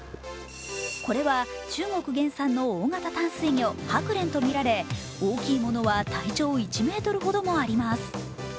これは中国原産の大型淡水魚ハクレンとみられ大きいものは体長１ｍほどもあります。